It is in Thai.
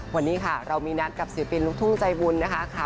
วันนี้ค่ะเรามีนัดกับศิลปินลูกทุ่งใจบุญนะคะ